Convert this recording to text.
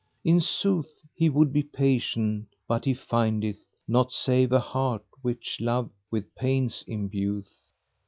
In sooth he would be patient, but he findeth * Naught save a heart which love with pains imbu'th."